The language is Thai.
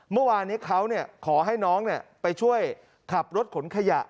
เมื่อวานนี้เขาขอให้น้องไปช่วยขับรถขนขยะ